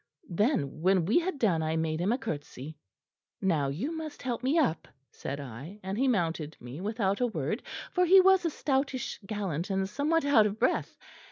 Then when we had done, I made him a curtsey. "'Now you must help me up,' said I, and he mounted me without a word, for he was a stoutish gallant and somewhat out of breath.